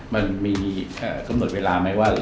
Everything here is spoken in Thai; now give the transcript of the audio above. มันมีกำหนดเวลาไหมว่า